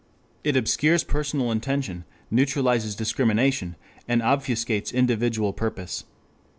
It obscures personal intention, neutralizes discrimination, and obfuscates individual purpose.